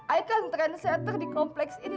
ayah kan trendsetter di kompleks ini